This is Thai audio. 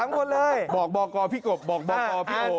นี่บอกพี่โกะนี่อ๋อ